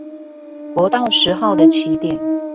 國道十號的起點